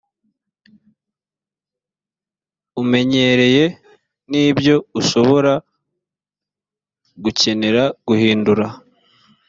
umenyereye n ibyo ushobora gukenera guhindura